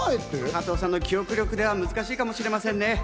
加藤さんの記憶力では難しいかもしれませんね。